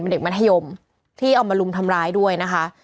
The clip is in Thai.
เด็กมัธยมที่เอามาลุมทำร้ายด้วยนะคะ